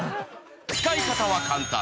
使い方は簡単。